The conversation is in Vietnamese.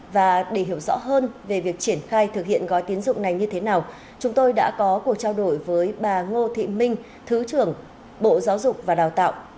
và để hiểu rõ hơn về việc triển khai thực hiện gói tiến dụng này như thế nào chúng tôi đã có cuộc trao đổi với bà ngô thị minh thứ trưởng bộ giáo dục và đào tạo